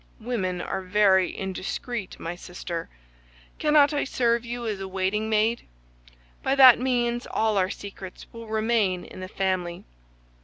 "Women are very indiscreet, my sister. Cannot I serve you as a waiting maid? By that means all our secrets will remain in the family."